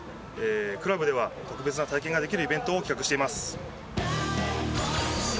クラブでは特別な体験ができるイベントを企画しています。